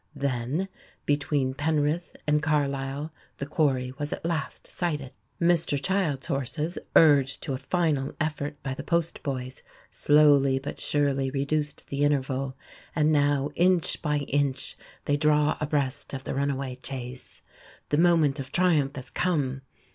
Then, between Penrith and Carlisle, the quarry was at last sighted. Mr Child's horses, urged to a final effort by the postboys, slowly but surely reduced the interval; and now inch by inch they draw abreast of the runaway chaise. The moment of triumph has come.